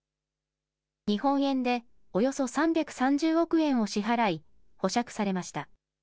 日本円でおよそ３３０億円を支払い、保釈されました。